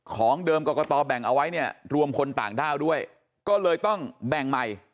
ของเดิมกรกตแบ่งเอาไว้เนี่ยรวมคนต่างด้าวด้วยก็เลยต้องแบ่งใหม่